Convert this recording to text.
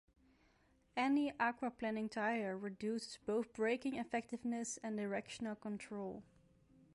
Any aquaplaning tire reduces both braking effectiveness and directional control.